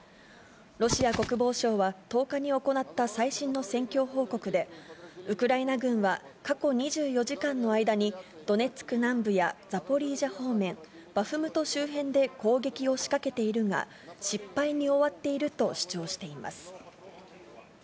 ロシア国防省は、１０日に行った最新の戦況報告で、ウクライナ軍は過去２４時間の間にドネツク南部やザポリージャ方面、バフムト周辺で攻撃を仕掛けているが、失敗に終わっていると主張しています。